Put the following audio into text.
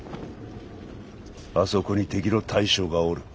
あそこに敵の大将がおる。